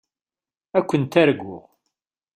Ad kent-arguɣ.